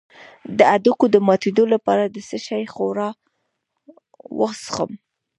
د هډوکو د ماتیدو لپاره د څه شي ښوروا وڅښم؟